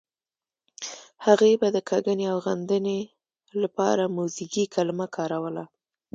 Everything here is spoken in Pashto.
هغې به د کږنې او غندنې لپاره موزیګي کلمه کاروله.